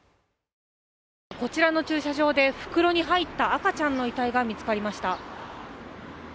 こちらの駐車場で袋に入った赤ちゃんの遺体が見つかりました。